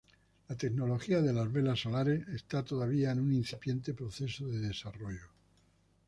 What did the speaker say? La tecnología de las velas solares está todavía en un incipiente proceso de desarrollo.